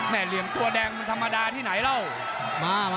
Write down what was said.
ละเรียงตัวแดงมันธรรมดาที่ไหนเหล่า